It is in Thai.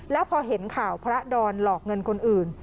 แล้วพอเห็นข่าวพระดอนหลอกเงินคนอื่น